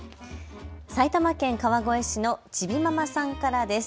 埼玉県川越市のちびママさんからです。